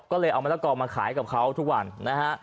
ก็เลยเอามะละกอมาขายกับเขาทุกวันนะฮะ